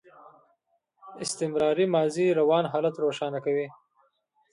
استمراري ماضي روان حالت روښانه کوي.